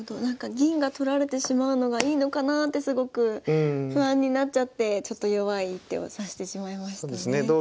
なんか銀が取られてしまうのがいいのかなあってすごく不安になっちゃってちょっと弱い一手を指してしまいましたね。